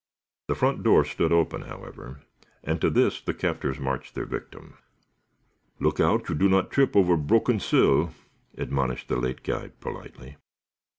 The front door stood open, however, and to this the captors marched their victim. "Look out you do not trip over broken sill," admonished the late guide, politely.